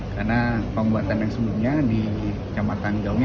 karena pembuatan yang sebelumnya di jelir